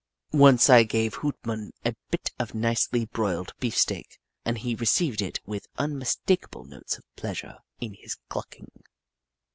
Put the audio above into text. Once I gave Hoot Mon a bit of nicely broiled beefsteak and he received it with un mistakable notes of pleasure in his clucking.